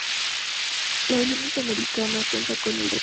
La versión norteamericana cuenta con el refrendo de Wilson Sporting Goods.